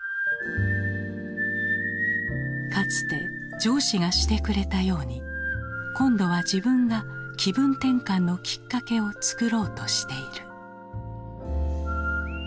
かつて上司がしてくれたように今度は自分が気分転換のきっかけを作ろうとしている。